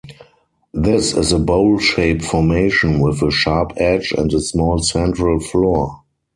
This is a bowl-shaped formation with a sharp edge and a small central floor.